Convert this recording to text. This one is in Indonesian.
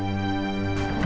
isu cerah rasa apabila seluas